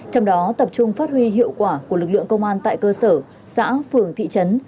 trong đó tập trung phát huy hiệu quả của lực lượng công an tại cơ sở xã phường thị trấn